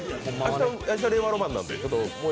明日、令和ロマンなんで。